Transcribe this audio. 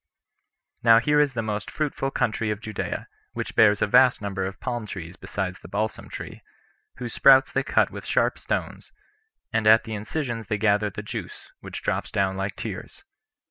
Now here is the most fruitful country of Judea, which bears a vast number of palm trees 7 besides the balsam tree, whose sprouts they cut with sharp stones, and at the incisions they gather the juice, which drops down like tears.